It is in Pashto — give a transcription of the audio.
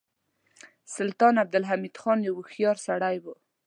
سلطان عبدالحمید خان یو هوښیار سړی و.